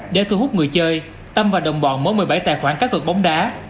để thu hút người chơi tâm và đồng bọn mỗi một mươi bảy tài khoản cá cửa bóng đá